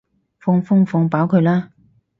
放風放飽佢啦